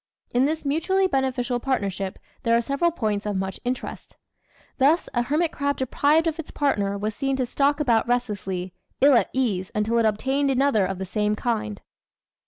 In this mutually beneficial partnership there are several points of much interest. Thus a hermit crab deprived of its partner was seen to stalk about restlessly, ill at ease until it obtained another of the same kind.